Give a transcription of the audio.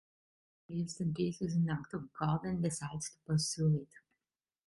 Josepha believes that this is an act of God, and decides to pursue it.